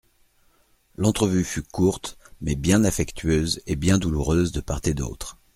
L'entrevue fut courte, mais bien affectueuse et bien douloureuse de part et d'autre.